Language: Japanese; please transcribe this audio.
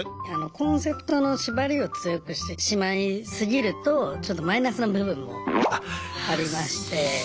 コンセプトの縛りを強くしてしまいすぎるとちょっとマイナスの部分もありまして。